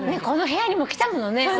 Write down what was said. この部屋にも来たものね。